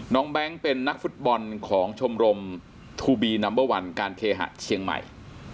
แบงค์เป็นนักฟุตบอลของชมรมทูบีนัมเบอร์วันการเคหะเชียงใหม่